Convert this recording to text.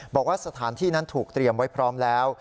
บอกว่าสถานที่นั้นถูกเตรียมไว้พร้อมแล้ว